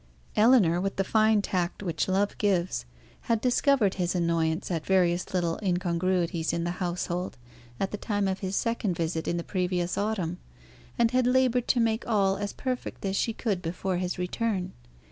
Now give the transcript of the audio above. Ellinor, with the fine tact which love gives, had discovered his annoyance at various little incongruities in the household at the time of his second visit in the previous autumn, and had laboured to make all as perfect as she could before his return.